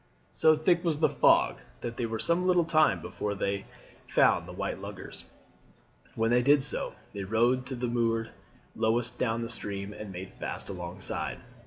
So thick was the fog that they were some little time before they found the white luggers. When they did so they rowed to that moored lowest down the stream and made fast alongside.